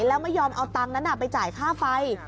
แล้วไม่ยอมเอาตังค์นั้นไปจ่ายค่าไฟ